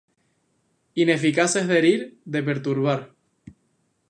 Ineficaces de herir, de perturbar.